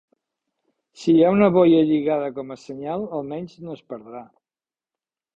Si hi ha una boia lligada com a senyal almenys no es perdrà.